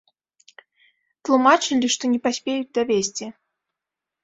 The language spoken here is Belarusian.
Тлумачылі, што не паспеюць давесці.